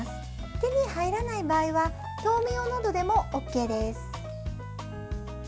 手に入らない場合は豆苗などでもＯＫです。